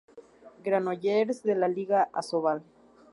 Granollers, de la Liga Asobal.